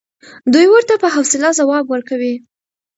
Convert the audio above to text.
دی ورته په حوصله ځواب ورکوي.